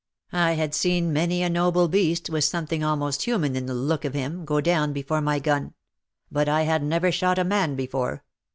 I had seen many a noble beast, with something almost human in the look of him, go down before my gun ; but I had never shot a man before.